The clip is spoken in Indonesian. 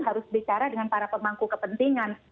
harus bicara dengan para pemangku kepentingan